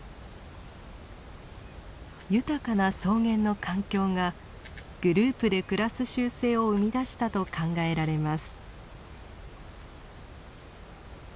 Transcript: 豊かな草原の環境がグループで暮らす習性を生み出したと考えられます。